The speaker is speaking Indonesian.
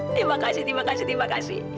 terima kasih terima kasih terima kasih